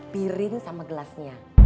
pirin sama gelasnya